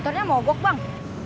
motornya mobok bang